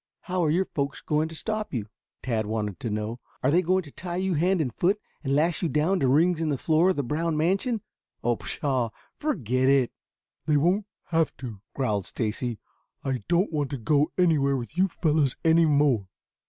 "How are your folks going to stop you?" Tad wanted to know. "Are they going to tie you hand and foot, and lash you down to rings in the floor of the Brown mansion. Oh, pshaw! Forget it!" "They won't have to," growled Stacy. "I don't want to go anywhere with you fellows any more."